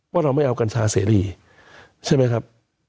เราไม่เอากัญชาเสรีใช่ไหมครับ